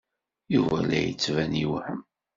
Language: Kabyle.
Yuba la d-yettban yewhem.